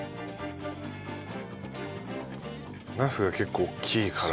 ナスが結構大きいから。